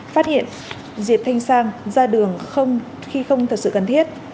phát hiện diệp thanh sang ra đường khi không thật sự cần thiết